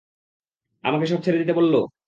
আমাকে সব ছেড়ে দিতে বললো?